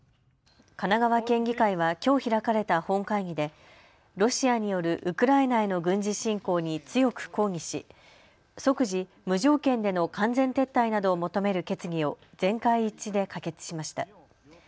神奈川県議会はきょう開かれた本会議でロシアによるウクライナへの軍事侵攻に強く抗議し即時、無条件での完全撤退などを求める決議を全会一致で可決しました。